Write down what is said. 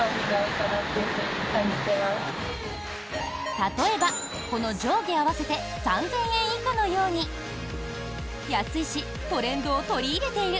例えば、この上下合わせて３０００円以下のように安いしトレンドを取り入れている！